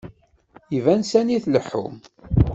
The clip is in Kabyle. Iban sani tleḥḥum.